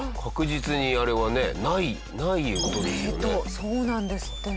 そうなんですってね。